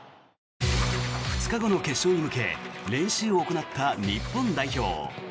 ２日後の決戦に向け練習を行った日本代表。